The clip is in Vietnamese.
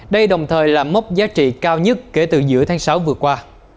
đây đồng thời là mốc giá trị cao nhất kể từ giữa tháng sáu vừa qua